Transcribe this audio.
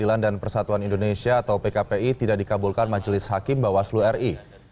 keadilan dan persatuan indonesia atau pkpi tidak dikabulkan majelis hakim bawaslu ri